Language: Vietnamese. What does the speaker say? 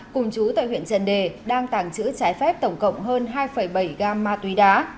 cùng chú tại huyện trần đề đang tàng trữ trái phép tổng cộng hơn hai bảy gam ma túy đá